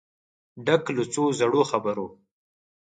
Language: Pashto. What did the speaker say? ډک له څو زړو خبرو